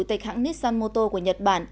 tịch hãng nissan motor của nhật bản